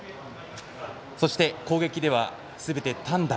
そして、攻撃ではすべて単打。